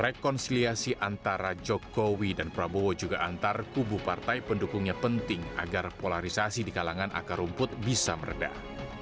rekonsiliasi antara jokowi dan prabowo juga antar kubu partai pendukungnya penting agar polarisasi di kalangan akar rumput bisa meredah